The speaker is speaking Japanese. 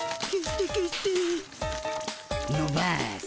のばす。